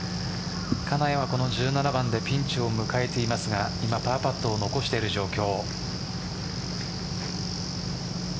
金谷はこの１７番でピンチを迎えていますが今パーパットを残している状況。